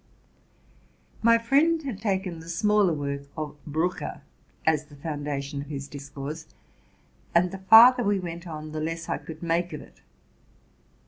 My friend had taken the smaller work of Brucker as the foundation of his discourse ; and, the farther we went on, the less I could make of it.